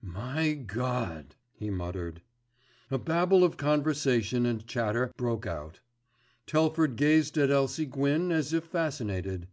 "My God!" he muttered. A babel of conversation and chatter broke out. Telford gazed at Elsie Gwyn as if fascinated.